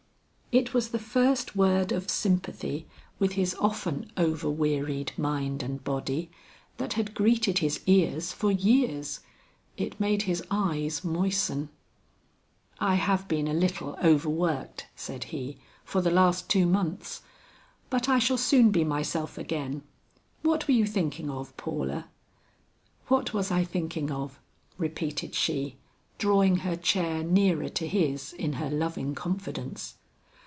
It was the first word of sympathy with his often over wearied mind and body, that had greeted his ears for years. It made his eyes moisten. "I have been a little overworked," said he, "for the last two months, but I shall soon be myself again. What were you thinking of, Paula?" "What was I thinking of?" repeated she, drawing her chair nearer to his in her loving confidence.